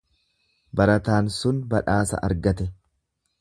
Barataan sun badhaasa argate.